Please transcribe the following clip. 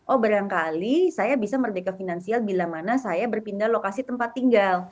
oh barangkali saya bisa merdeka finansial bila mana saya berpindah lokasi tempat tinggal